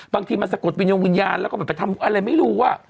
บางทีมันสะกดวิญญาณแล้วก็แบบไปทำอะไรไม่รู้